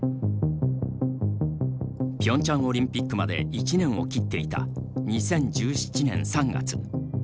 ピョンチャンオリンピックまで１年を切っていた２０１７年３月。